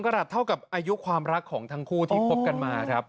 ระดับเท่ากับอายุความรักของทั้งคู่ที่คบกันมาครับ